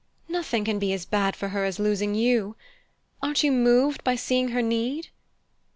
"Nothing can be as bad for her as losing you! Aren't you moved by seeing her need?"